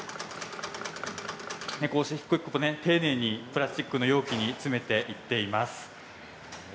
丁寧にプラスチックの容器に詰めていっています。